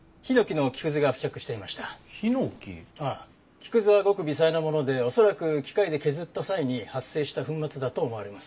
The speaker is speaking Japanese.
木くずはごく微細なもので恐らく機械で削った際に発生した粉末だと思われます。